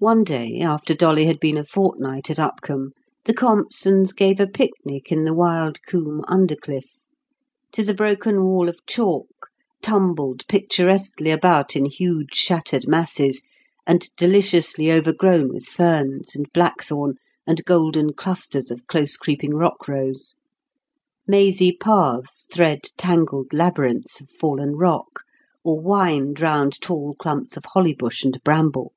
One day, after Dolly had been a fortnight at Upcombe, the Compsons gave a picnic in the wild Combe undercliff. 'Tis a broken wall of chalk, tumbled picturesquely about in huge shattered masses, and deliciously overgrown with ferns and blackthorn and golden clusters of close creeping rock rose. Mazy paths thread tangled labyrinths of fallen rock, or wind round tall clumps of holly bush and bramble.